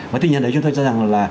với tình nhân đấy chúng tôi cho rằng là